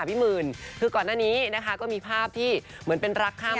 พี่หมื่นคือก่อนหน้านี้นะคะก็มีภาพที่เหมือนเป็นรักข้าม